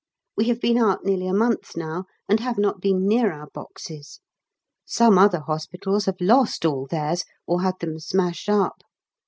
We have been out nearly a month now and have not been near our boxes; some other hospitals have lost all theirs, or had them smashed up.